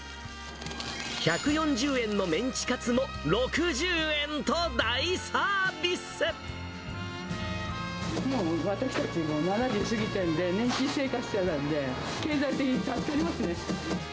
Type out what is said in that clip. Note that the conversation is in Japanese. １４０円のメンチカツも６０円ともう私たち、７０過ぎてんで、年金生活者なんで、経済的に助かりますね。